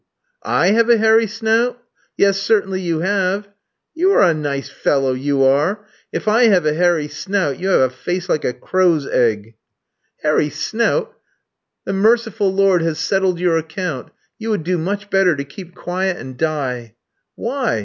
"I have a hairy snout?" "Yes; certainly you have." "You are a nice fellow, you are. If I have a hairy snout, you have a face like a crow's egg." "Hairy snout! The merciful Lord has settled your account. You would do much better to keep quiet and die." "Why?